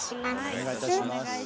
お願いいたします。